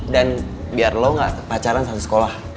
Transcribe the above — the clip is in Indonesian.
dan biar lo gak terpacaran satu sekolah